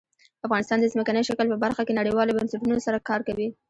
افغانستان د ځمکنی شکل په برخه کې نړیوالو بنسټونو سره کار کوي.